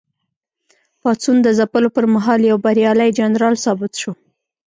پاڅون د ځپلو پر مهال یو بریالی جنرال ثابت شو.